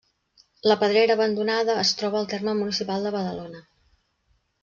La pedrera abandonada es troba al terme municipal de Badalona.